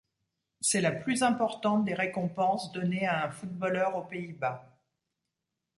C'est la plus importante des récompenses donnée à un footballeur aux Pays-Bas.